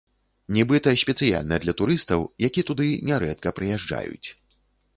Нібыта, спецыяльна для турыстаў, які туды нярэдка прыязджаюць.